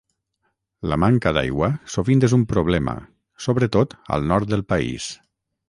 La manca d'aigua sovint és un problema, sobretot al nord del país.